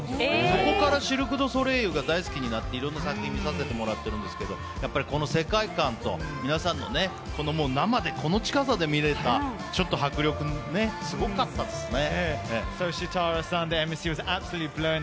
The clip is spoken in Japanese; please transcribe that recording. そこからシルク・ドゥ・ソレイユが大好きになって、いろんな作品を見させてもらってるんですけどやっぱりこの世界観と皆さんを、生でこの近さでちょっと迫力、すごかったですね。